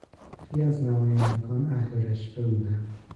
برخی از نمایندگان اهل رشوه بودند.